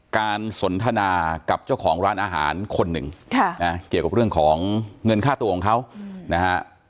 สนทนากับเจ้าของร้านอาหารคนหนึ่งเกี่ยวกับเรื่องของเงินค่าตัวของเขานะฮะ